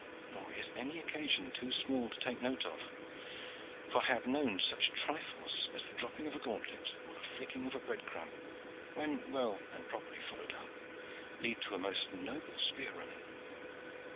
Nor is any occasion too small to take note of, for I have known such trifles as the dropping of a gauntlet, or the flicking of a breadcrumb, when well and properly followed up, lead to a most noble spear running.